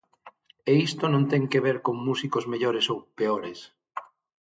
E isto non ten que ver con músicos mellores ou peores.